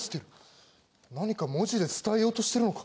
何か文字で伝えようとしてるのか？